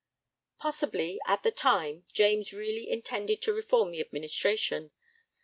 Possibly, at the time, James really intended to reform the administration.